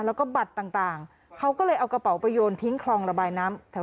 แล้วก็บัตรต่างเขาก็เลยเอากระเป๋าไปโยนทิ้งคลองระบายน้ำแถว